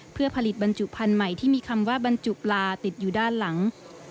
เพื่อผลิตบรรจุพันธุ์ใหม่ที่มีคำว่าบรรจุปลาติดอยู่ด้านหลัง